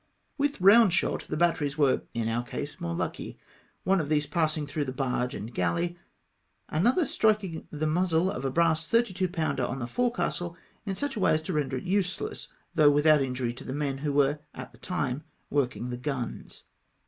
With round shot the batteries were in our case more lucky, one of these passing through the barge and gaUey, and another striking the muzzle of a FIGHT BETWEEX THE PATRIOTS AJSTD FEENCII. 293 brass 32 pomicler on the forecastle, in such a way as to render it useless, though without injury to the men who were at the time worldng the guns.